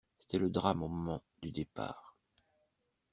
C'était le drame au moment du départ.